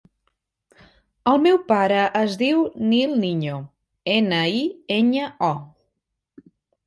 El meu pare es diu Nil Niño: ena, i, enya, o.